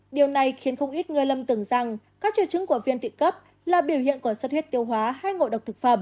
điều này khiến không ít người lâm tưởng rằng các triệu chứng của viêm tự cấp là biểu hiện của sất huyết tiêu hóa hay ngộ độc thực phẩm